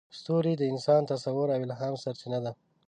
ستوري د انسان د تصور او الهام سرچینه ده.